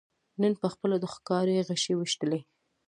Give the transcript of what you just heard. نن پخپله د ښکاري غشي ویشتلی